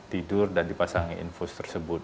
tidur dan dipasangi infus tersebut